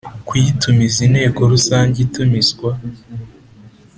Kuyitumiza inteko rusange itumizwa